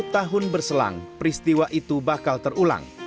dua puluh tahun berselang peristiwa itu bakal terulang